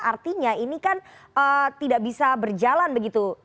artinya ini kan tidak bisa berjalan begitu